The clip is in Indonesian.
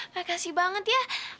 makasih banget ya